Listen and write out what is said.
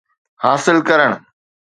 حاصل ڪرڻ